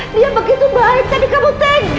dia begitu baik tapi kamu tegak nyakitin hati dia